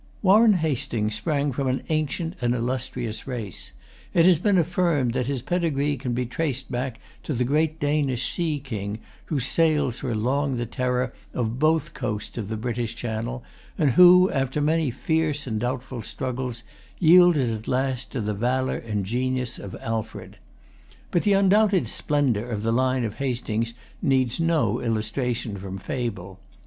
Warren Hastings sprang from an ancient and illustrious race. It has been affirmed that his pedigree can be traced back to the great Danish sea king, whose sails were long the terror of both coasts of the British Channel, and who, after many fierce and doubtful struggles, yielded at last to the valor and genius of Alfred. But the undoubted splendor of the line of Hastings needs no illustration from fable.